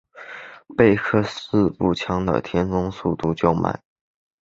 贝克式步枪的填装速度较慢。